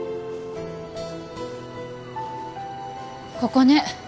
ここね。